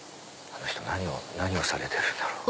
あの人何をされてるんだろう？